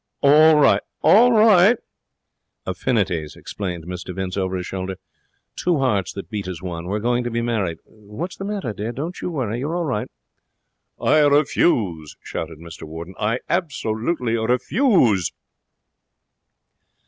'All right! All right!' 'Affinities,' explained Mr Vince over his shoulder. 'Two hearts that beat as one. We're going to be married. What's the matter, dear? Don't you worry; you're all right.' 'I refuse!' shouted Mr Warden. 'I absolutely refuse.'